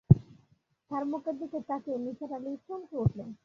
তার মুখের দিকে তাকিয়ে নিসার আলি চমকে উঠলেন।